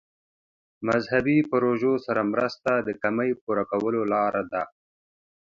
مذهبي پروژو سره مرسته د کمۍ پوره کولو لاره ده.